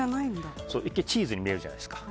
一見、チーズに見えるじゃないですか。